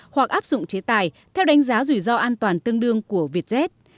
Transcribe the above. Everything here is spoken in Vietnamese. hoặc áp dụng chế tài theo đánh giá rủi ro an toàn tương đương của vietjet